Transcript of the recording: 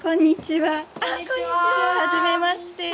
はじめまして。